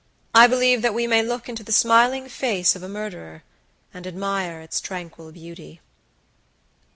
I believe that we may look into the smiling face of a murderer, and admire its tranquil beauty."